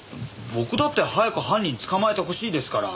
僕だって早く犯人捕まえてほしいですから。